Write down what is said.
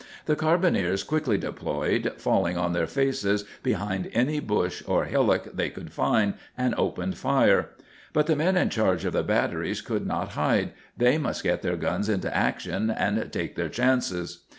The carbineers quickly deployed, falling on their faces behind any bush or hillock they could find, and opened fire. But the men in charge of the batteries could not hide. They must get their guns into action and take their chances.